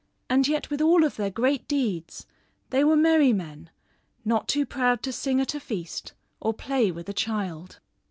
And yet with all of their great deeds they were merry men, not too proud to sing at a feast or play with a child.